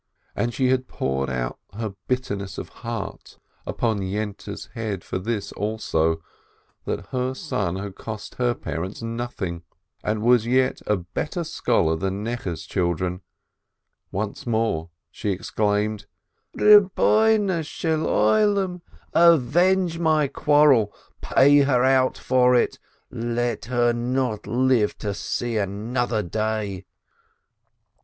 And she had poured out her bitterness of heart upon Yente's head for this also, that her son had cost her parents nothing, and was yet a better scholar than Necheh's children, and once more she exclaimed : "Lord of the World ! Avenge my quarrel, pay her out for it, let her not live to see another day